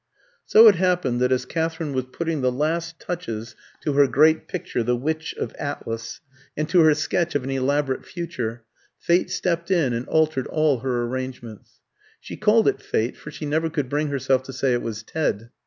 So it happened that as Katherine was putting the last touches to her great picture "The Witch of Atlas," and to her sketch of an elaborate future, Fate stepped in and altered all her arrangements. She called it Fate, for she never could bring herself to say it was Ted.